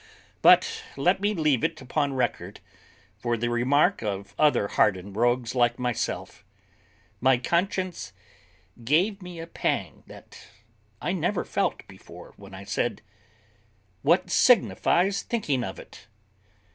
But let me leave it upon record, for the remark of other hardened rogues like myself, my conscience gave me a pang that I never felt before when I said, "What signifies thinking of it?"